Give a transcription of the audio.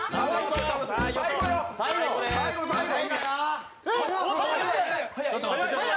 最後、最後。